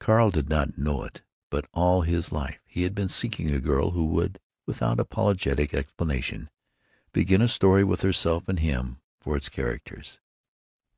Carl did not know it, but all his life he had been seeking a girl who would, without apologetic explanation, begin a story with herself and him for its characters.